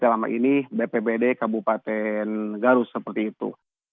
dalam hal ini bpbd kabupaten garut seperti itu